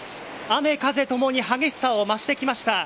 雨風ともに激しさを増してきました。